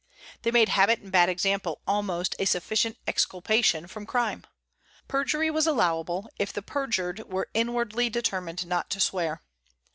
They made habit and bad example almost a sufficient exculpation from crime. Perjury was allowable, if the perjured were inwardly determined not to swear.